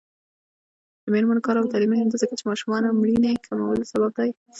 د میرمنو کار او تعلیم مهم دی ځکه چې ماشومانو مړینې کمولو سبب دی.